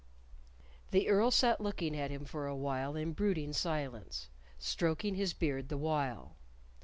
The Earl sat looking at him for a while in brooding silence, stroking his beard the while.